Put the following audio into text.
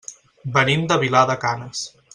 Venim de Vilar de Canes.